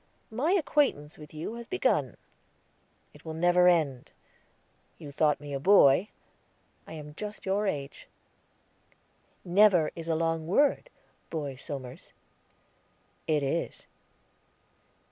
My acquaintance with you has begun; it will never end. You thought me a boy; I am just your age." "'Never,' is a long word, Boy Somers." "It is."